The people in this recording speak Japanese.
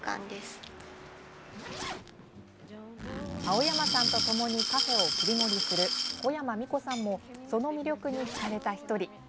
青山さんとともにカフェを切り盛りする小山美光さんもその魅力にひかれた１人。